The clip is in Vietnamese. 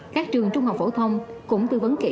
các trường trung học phổ thông cũng tư vấn kỹ